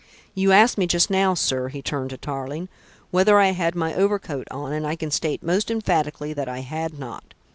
You asked me just now, sir," he turned to Tarling, "whether I had my overcoat on, and I can state most emphatically that I had not.